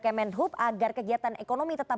kemenhub agar kegiatan ekonomi tetap